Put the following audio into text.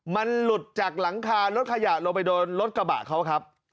มันหลุดจากหลังคารถขยะลงไปโดนรถกระบะเขาครับ